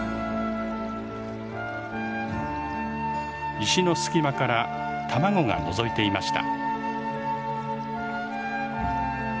石の隙間から卵がのぞいていました。